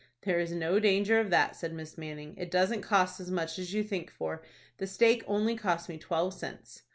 "There is no danger of that," said Miss Manning. "It doesn't cost as much as you think for. The steak only cost me twelve cents."